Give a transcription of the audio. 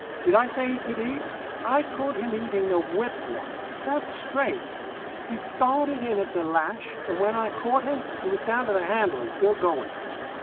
Did I say he could eat? I caught him eating the whip once. That's straight. He started in at the lash, and when I caught him he was down to the handle, and still going.